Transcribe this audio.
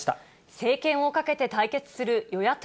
政権をかけて対決する与野党。